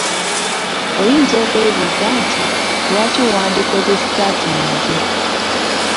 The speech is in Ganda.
Oyinza okwebuuza nti lwaki wandikoze sitaatimenti?